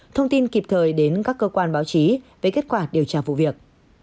thông tin kịp thời đến các cơ quan báo chí về kết quả điều tra vụ việc